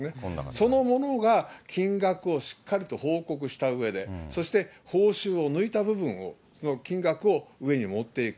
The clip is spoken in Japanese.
その者が、金額をしっかりと報告したうえで、そして報酬を抜いた部分を、その金額を上に持っていく。